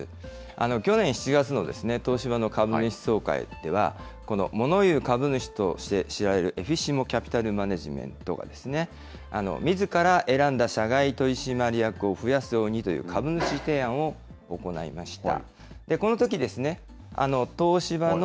去年７月の東芝の株主総会では、物言う株主として知られるエフィッシモ・キャピタル・マネジメントが、みずから選んだ社外取締役を増やすよう求める株主提案を行いました。